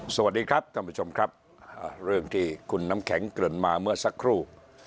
สวัสดีครับท่านผู้ชมครับเรื่องที่คุณน้ำแข็งเกริ่นมาเมื่อสักครู่